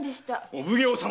お奉行様！